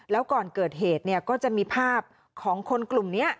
แล้วก่อนเกิดเหตุเนี่ยก็จะมีภาพของคนกลุ่มนี้